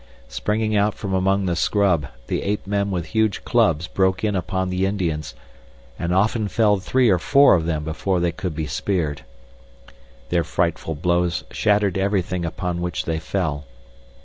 Springing out from among the scrub the ape men with huge clubs broke in upon the Indians and often felled three or four of them before they could be speared. Their frightful blows shattered everything upon which they fell.